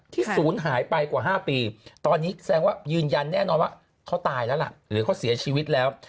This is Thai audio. ศูนย์หายไปกว่า๕ปีตอนนี้แสดงว่ายืนยันแน่นอนว่าเขาตายแล้วล่ะหรือเขาเสียชีวิตแล้ว